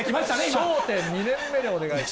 笑点２年目でお願いします。